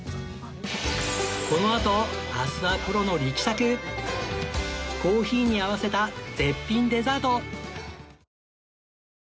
このあと阿諏訪プロの力作コーヒーに合わせた絶品デザート